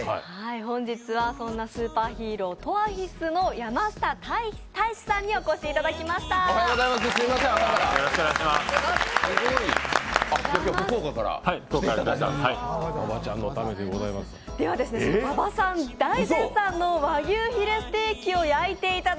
本日はそんなスーパーヒーロー、ＴＴＯＡＨＩＳＵの山下泰史さんにお越しいただきました。